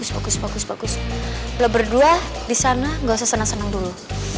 bagus bagus bagus lo berdua di sana gak usah senang senang dulu